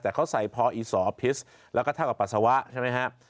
แต่เขาใส่พออีสอพิษแล้วก็เท่ากับปัสสาวะใช่ไหมครับ